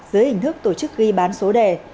dưới hình thức tổ chức ghi bán số đề